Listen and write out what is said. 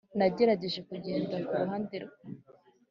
nagerageje kugenda kuruhande,